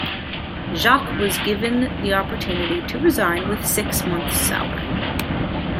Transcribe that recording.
Jacques was given the opportunity to resign with six months salary.